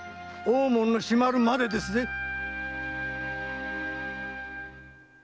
大門の閉まるまでですぜ。